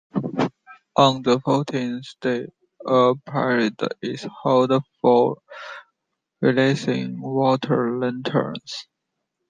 On the fourteenth day, a parade is held for releasing water lanterns.